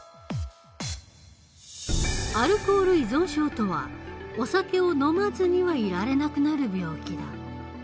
アルコール依存症とはお酒を飲まずにはいられなくなる病気だ。